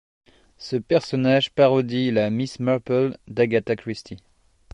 Ce personnage parodie la Miss Marple d'Agatha Christie.